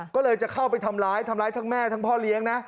ก็เลยจะเข้าไปทำร้ายทำร้ายทั้งแม่ทั้งพ่อเลี้ยงนะ